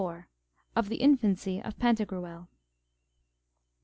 Of the infancy of Pantagruel.